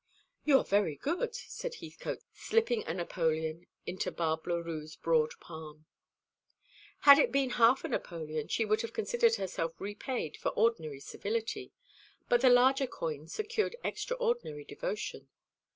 "You are very good," said Heathcote, slipping a napoleon into Barbe Leroux's broad palm. Had it been half a napoleon she would have considered herself repaid for ordinary civility; but the larger coin secured extraordinary devotion.